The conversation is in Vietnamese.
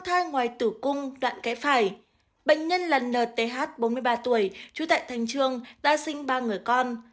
thai ngoài tử cung đoạn kẽ phải bệnh nhân là nth bốn mươi ba tuổi trú tại thành trương đã sinh ba người con